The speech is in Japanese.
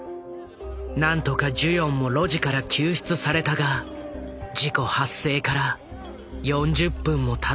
何とかジュヨンも路地から救出されたが事故発生から４０分もたっていた。